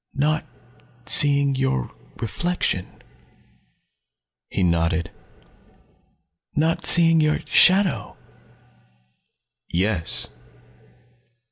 "Not not seeing your reflection!" He nodded. "Not seeing your shadow !" "Yes."